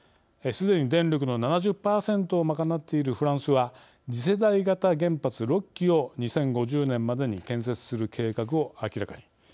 すでに電力の７０％を賄っているフランスは、次世代型原発６基を２０５０年までに建設する計画を明らかに。